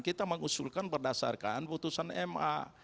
kita mengusulkan berdasarkan putusan ma